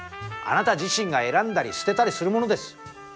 あなた自身が選んだり捨てたりするものです。